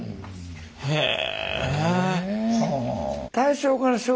へえ。